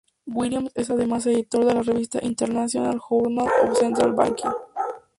Williams es además editor de la revista "International Journal of Central Banking".